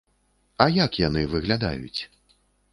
А як яны выглядаюць?